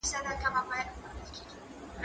زه بايد درسونه لوستل کړم،